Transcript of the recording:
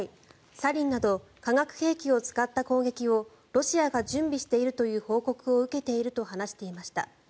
サリンなど化学兵器を使った攻撃をロシアが準備しているという報告を受けていると話していました。